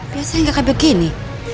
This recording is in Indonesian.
biasanya gak kayak begini